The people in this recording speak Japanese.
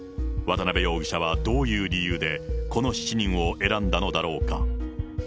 渡辺容疑者はどういう理由でこの７人を選んだのだろうか。